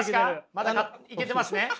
まだいけてますね？